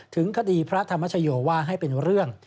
ถึงคดีพระธรรมชโยว่าให้เป็นเรื่อง